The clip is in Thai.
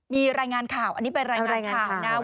มีรายงานข่าวอันนี้ไปรายงานข่าวนะ